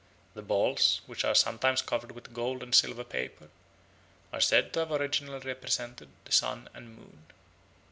The balls, which are sometimes covered with gold and silver paper, are said to have originally represented the sun and moon.